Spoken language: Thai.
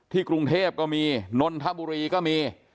กรุงเทพก็มีนนทบุรีก็มี